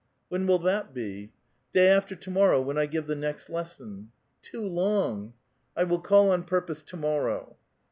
'•When will that be?" " Day after to morrow, when I give the next lesson." " Too long I "" I will call on purpose to morrow."